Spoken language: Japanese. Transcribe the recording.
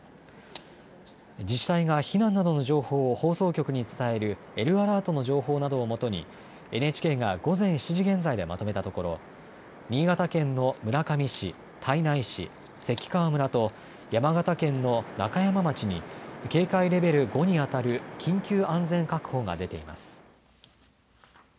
自治体が避難などの情報を放送局に伝えるＬアラートの情報などを基に、ＮＨＫが午前７時現在でまとめたところ、新潟県の村上市、胎内市、関川村と、山形県の中山町に、警戒レベル５に当たる緊急安全確保が出ています。